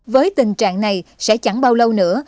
với tình trạng này sẽ chẳng bao lâu nữa